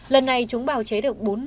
lần này chúng bào chế được